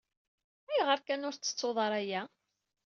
Ayɣer kan ur tettettuḍ ara aya?